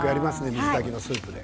水炊きのスープで。